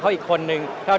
kabeh perawatan tiga anak